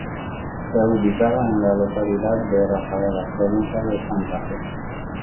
Se ubicada en la localidad de Rafaela, provincia de Santa Fe.